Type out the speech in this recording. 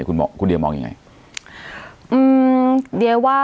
คุณเดียมองยังไง